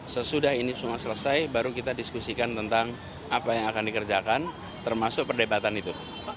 sesudah ini semua selesai baru kita diskusikan tentang apa yang akan dikerjakan termasuk perdebatan itu